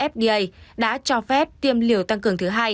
fda đã cho phép tiêm liều tăng cường thứ hai